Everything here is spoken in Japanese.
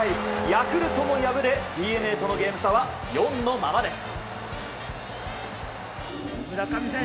ヤクルトも敗れ、ＤｅＮＡとのゲーム差は４のままです。